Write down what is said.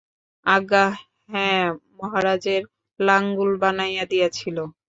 আজ্ঞা হাঁ, মহারাজের লাঙ্গুল বানাইয়া দিয়াছিল।